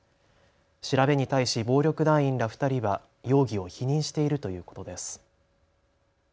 調べに対し暴力団員ら２人は容疑を否認しているということです。